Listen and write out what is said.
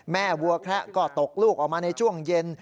วัวแคระก็ตกลูกออกมาในช่วงเย็น